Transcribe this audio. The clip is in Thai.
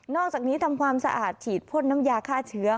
อกจากนี้ทำความสะอาดฉีดพ่นน้ำยาฆ่าเชื้อ